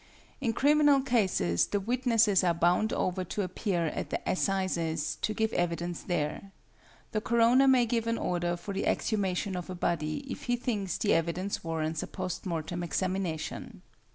In criminal cases the witnesses are bound over to appear at the assizes to give evidence there. The coroner may give an order for the exhumation of a body if he thinks the evidence warrants a post mortem examination.